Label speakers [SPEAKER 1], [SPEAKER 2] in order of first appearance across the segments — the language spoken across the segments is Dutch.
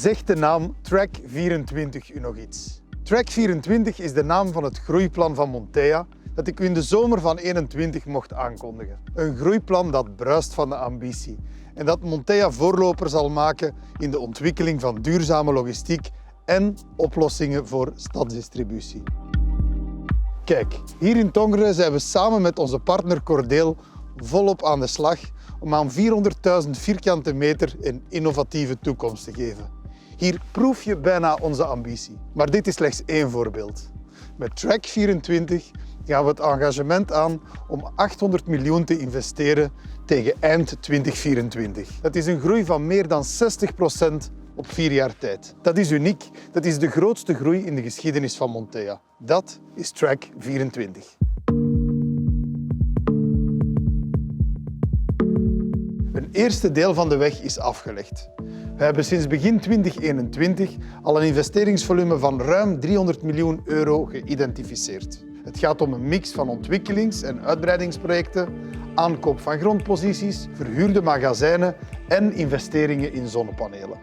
[SPEAKER 1] Zegt de naam Track 24 u nog iets? Track 24 is de naam van het groeiplan van Montea dat ik u in de zomer van 2021 mocht aankondigen. Een groeiplan dat bruist van de ambitie en dat Montea voorloper zal maken in de ontwikkeling van duurzame logistiek en oplossingen voor stadsdistributie. Kijk, hier in Tongeren zijn we samen met onze partner Cordeel volop aan de slag om aan 400,000 sq m een innovatieve toekomst te geven. Hier proef je bijna onze ambitie, maar dit is slechts één voorbeeld. Met Track 24 gaan we het engagement aan om EUR 800 million te investeren tegen eind 2024. Dat is een groei van meer dan 60% op vier jaar tijd. Dat is uniek. Dat is de grootste groei in de geschiedenis van Montea. Dat is Track 24. Een eerste deel van de weg is afgelegd. We hebben sinds begin 2021 al een investeringsvolume van ruim EUR 300 miljoen geïdentificeerd. Het gaat om een mix van ontwikkelings en uitbreidings projecten, aankoop van grondposities, verhuurde magazijnen en investeringen in zonnepanelen.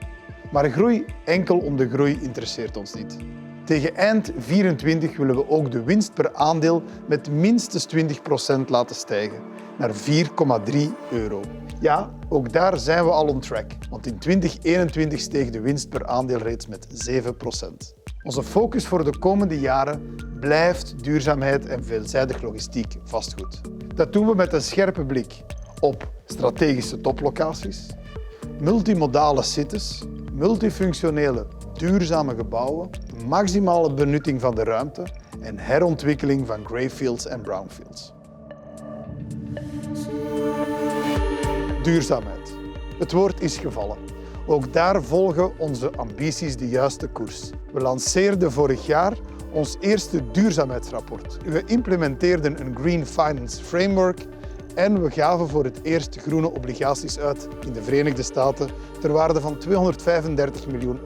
[SPEAKER 1] Groei enkel om de groei interesseert ons niet. Tegen eind 2024 willen we ook de winst per aandeel met minstens 20% laten stijgen naar EUR 4.3. Ja, ook daar zijn we al on track. In 2021 steeg de winst per aandeel reeds met 7%. Onze focus voor de komende jaren blijft duurzaamheid en veelzijdig logistiek vastgoed. Dat doen we met een scherpe blik op strategische toplocaties. Multimodale cities, multifunctionele duurzame gebouwen, maximale benutting van de ruimte en herontwikkeling van greenfields en brownfields. Duurzaamheid. Het woord is gevallen. Ook daar volgen onze ambities de juiste koers. We lanceerden vorig jaar ons eerste duurzaamheidsrapport. We implementeerden een Green Finance Framework en we gaven voor het eerst groene obligaties uit in de Verenigde Staten ter waarde van EUR 235 miljoen.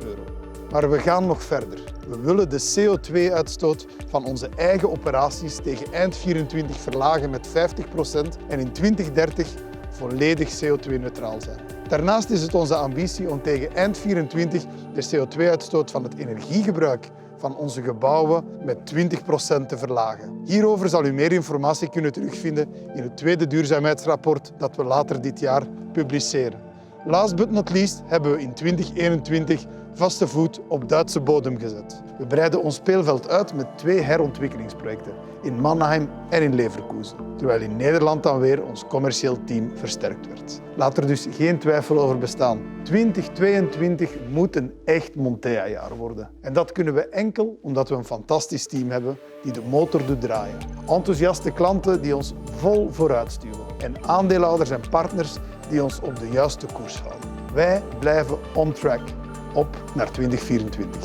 [SPEAKER 1] We gaan nog verder. We willen de CO2 uitstoot van onze eigen operaties tegen eind 2024 verlagen met 50% en in 2030 volledig CO2 neutraal zijn. Daarnaast is het onze ambitie om tegen eind 2024 de CO2 uitstoot van het energiegebruik van onze gebouwen met 20% te verlagen. Hierover zal u meer informatie kunnen terugvinden in het tweede duurzaamheidsrapport dat we later dit jaar publiceren. Last but not least hebben we in 2021 vaste voet op Duitse bodem gezet. We breiden ons speelveld uit met twee herontwikkeling projecten in Mannheim en in Leverkusen, terwijl in Nederland dan weer ons commercieel team versterkt werd. Laat er dus geen twijfel over bestaan 2022 moet een echt Montea jaar worden. Dat kunnen we enkel omdat we een fantastisch team hebben die de motor doet draaien, enthousiaste klanten die ons vol vooruit stuwen en aandeelhouders en partners die ons op de juiste koers houden. Wij blijven on track. Op naar 2024.